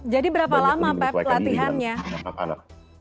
jadi berapa lama pep latihannya